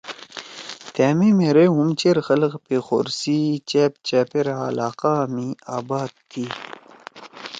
تھئے مے مھیرے ہُم چیر خلگ پیخور سی چأپ چأپیرا علاقہ می آباد تھی۔